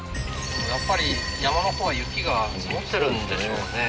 やっぱり山のほうは雪が積もってるんでしょうね